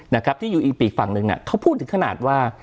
นะครับที่อยู่อีปีกฝั่งหนึ่งเนี่ยเขาพูดถึงขนาดว่า